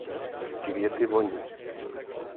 Květy voní.